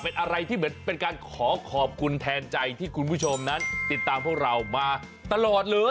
เป็นอะไรที่เหมือนเป็นการขอขอบคุณแทนใจที่คุณผู้ชมนั้นติดตามพวกเรามาตลอดเลย